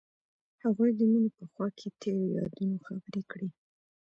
هغوی د مینه په خوا کې تیرو یادونو خبرې کړې.